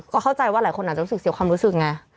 ก็เข้าใจว่าหลายคนอาจจะรู้สึกเสียความรู้สึกไง